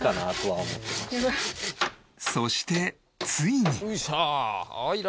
そしてついに。